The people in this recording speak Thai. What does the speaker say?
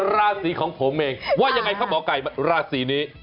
ราศีของผมเองว่ายังไงครับหมอไก่ราศีนี้